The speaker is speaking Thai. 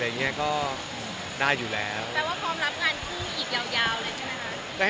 แปลว่าความรับงานญี่ปวงอีกยาวแหละจนมั้ยคะ